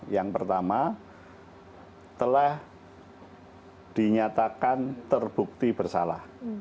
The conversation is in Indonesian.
yang pertama telah dinyatakan terbukti bersalah